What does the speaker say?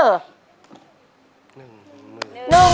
๑บ้าน